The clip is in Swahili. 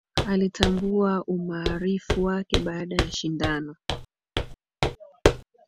Alitambua umaarifu wake baada ya shindano